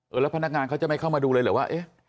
แล้วพนักงานเขาจะไม่เข้ามาดูเลยเหรอว่าเอ๊ะ